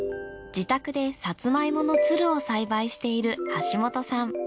自宅でサツマイモのツルを栽培している橋本さん。